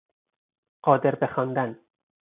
قادر به خواندن